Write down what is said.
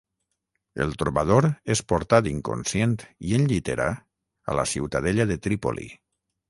El trobador és portat inconscient i en llitera a la ciutadella de Trípoli.